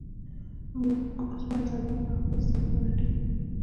موږ اوسپنه توده کړه او د هغه سترګې مو ړندې کړې.